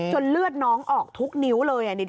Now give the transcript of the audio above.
เลือดน้องออกทุกนิ้วเลย